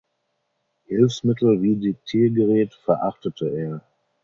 Hilfsmittel wie Diktiergerät verachtete er.